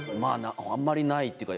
あんまりないっていうか